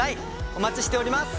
お待ちしております！